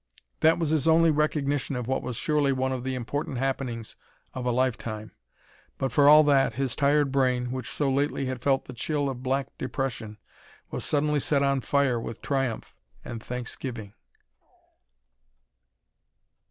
That was his only recognition of what was surely one of the important happenings of a lifetime. But for all that, his tired brain, which so lately had felt the chill of black depression, was suddenly set on fire with triumph and thanksgiving.